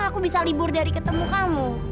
aku bisa libur dari ketemu kamu